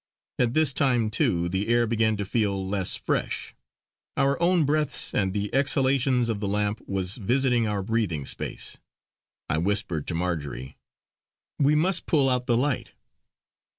At this time, too, the air began to feel less fresh. Our own breaths and the exhalations of the lamp was vitiating our breathing space. I whispered to Marjory: "We must put out the light!"